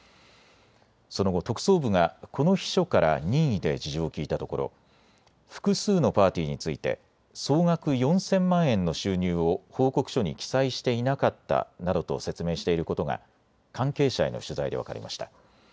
その後、特捜部がこの秘書から任意で事情を聴いたところ、複数のパーティーについて総額４０００万円の収入を報告書に記載していなかったなどと説明していることが関係者への取材で分かりました。